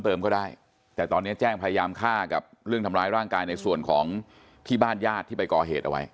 ก็ได้แต่ตอนนี้แจ้งพยายามฆ่ากับเรื่องทำร้ายร่างกายในส่วนของที่บ้านญาติที่ไปก่อเหตุเอาไว้